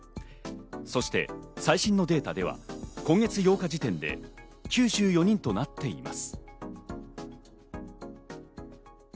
そして最新のデータでは今月８日時点で９４人となっています。